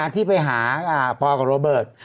ที่ไปหาปอกับโรเบิร์ต